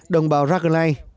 đồng bào raglanay